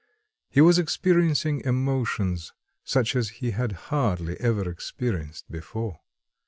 He was experiencing emotions such as he had hardly ever experienced before.